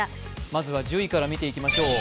まずは１０位から見ていきましょう。